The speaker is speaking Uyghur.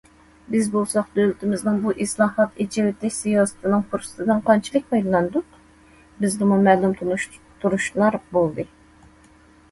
بىز بولساق دۆلىتىمىزنىڭ بۇ ئىسلاھات، ئېچىۋېتىش سىياسىتىنىڭ پۇرسىتىدىن قانچىلىك پايدىلاندۇق؟ بىزدىمۇ مەلۇم تونۇشتۇرۇشلار بولدى.